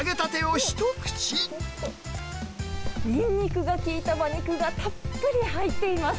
ニンニクが効いた馬肉がたっぷり入っています。